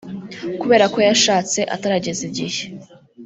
kubera ko yashatse atarageza igihe